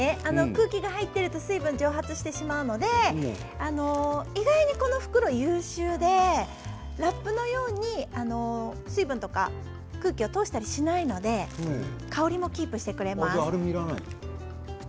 空気が入ると水分が蒸発してしまいますので意外にこの袋は優秀でラップのように水分とか空気を通したりしないので香りもキープしてくれます。